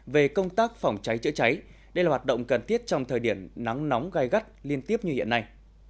về công tác phòng cháy chữa cháy đây là hoạt động cần thiết trong thời điểm nắng nóng gai gắt liên tiếp như hiện nay